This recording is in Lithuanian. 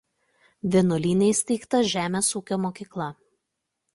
Vienuolyne įsteigta žemės ūkio mokykla.